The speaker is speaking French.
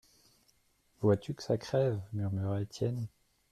Vois-tu que ça crève ! murmura Étienne.